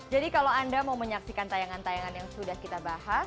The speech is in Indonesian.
jadi kalau anda mau menyaksikan tayangan tayangan yang sudah kita bahas